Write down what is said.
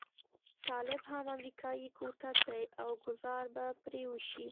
طالب هم امريکايي کوتک دی او ګوزار به پرې وشي.